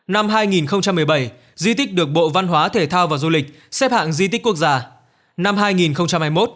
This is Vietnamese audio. năm hai nghìn một mươi bảy di tích được bộ văn hóa thể thao và du lịch xếp hạng di tích quốc gia năm hai nghìn hai mươi một